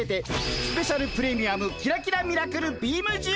スペシャル・プレミアムキラキラ・ミラクル・ビームじゅう？